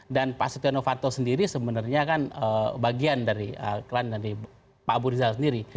dan pak setiano fantom sendiri sebenarnya kan bagian dari pak abu rizal sendiri